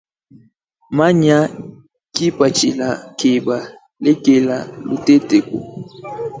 Manya kipatshila keba lekela lutetuku.